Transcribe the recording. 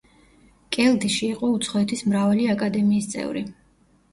კელდიში იყო უცხოეთის მრავალი აკადემიის წევრი.